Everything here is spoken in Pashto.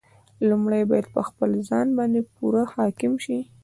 لومړی باید پر خپل ځان باندې پوره حاکم شي.